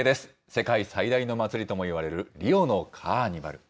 世界最大の祭りともいわれるリオのカーニバル。